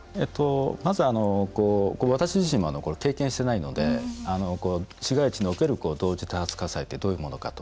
まず、私自身も経験していないので市街地における同時多発火災ってどういうものかと。